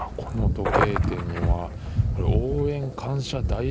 この時計店には応援感謝